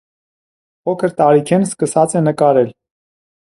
Փոքր տարիքէն սկսած է նկարել։